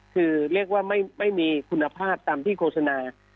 คือเรียกว่าไม่มีคุณภาพตามที่โฆษณา